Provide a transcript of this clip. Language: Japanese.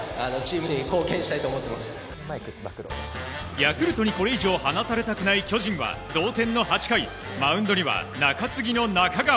ヤクルトにこれ以上離されたくない巨人は同点の８回マウンドには中継ぎの中川。